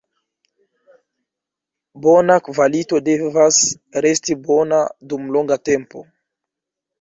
Bona kvalito devas resti bona dum longa tempo.